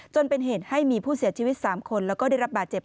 จนเป็นเหตุให้มีผู้เสียชีวิต๓คนแล้วก็ได้รับบาดเจ็บ